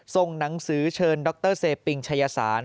ส่งหนังสือเชิญดรเซปิงชายสาร